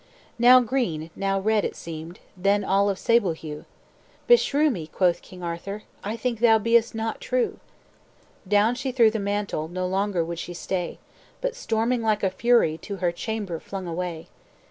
"Now green, now red it seemed, Then all of sable hue; 'Beshrew me,' quoth King Arthur, 'I think thou be'st not true!' "Down she threw the mantle, No longer would she stay; But, storming like a fury, To her chamber flung away.